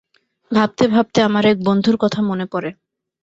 ভাবতে ভাবতে আমার এক বন্ধুর কথা মনে পড়ে।